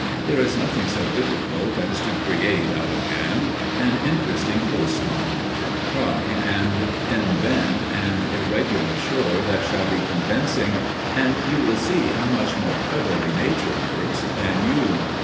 There is nothing so difficult as to create, out of hand, an interesting coast line. Try and invent an irregular shore that shall be convincing, and you will see how much more cleverly Nature works than you.